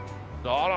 あら！